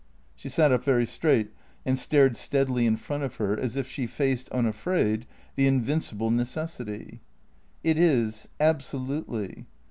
She sat up very straight and stared steadily in front of her, as if she faced, unafraid, the invincible necessity. " It is. Absolutely."